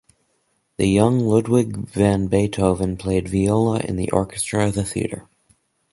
The young Ludwig van Beethoven played viola in the orchestra of the theater.